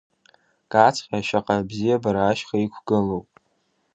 Кацхи Ашьаҟа Абзиабара ашьха иқәгылоуп.